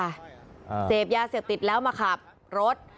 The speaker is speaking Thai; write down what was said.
ค่ะเศษยาเสียบติดแล้วมาขับรถ